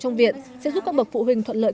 trong viện sẽ giúp các bậc phụ huynh thuận lợi